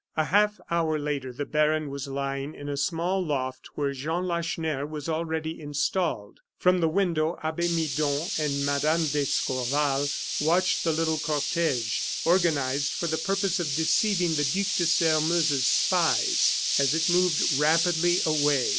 A half hour later the baron was lying in a small loft, where Jean Lacheneur was already installed. From the window, Abbe Midon and Mme. d'Escorval watched the little cortege, organized for the purpose of deceiving the Duc de Sairmeuse's spies, as it moved rapidly away.